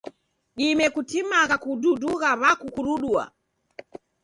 Dime kutimagha kududugha w'akukurudua.